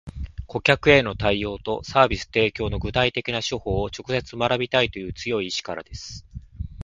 顧客への対応とサービス提供の具体的な手法を直接学びたいという強い意志からです